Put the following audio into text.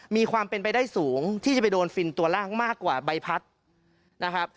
มีความเป็นไปได้สูงที่จะไปโดนฟินตัวล่างมากกว่าใบพัดนะครับ